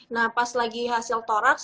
nah pas lagi hasil toraks